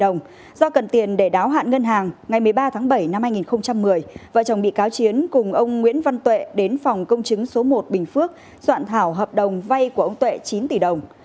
ngày một mươi ba tháng bảy năm hai nghìn một mươi vợ chồng bị cáo chiến cùng ông nguyễn văn tuệ đến phòng công chứng số một bình phước soạn thảo hợp đồng vay của ông tuệ chín tỷ đồng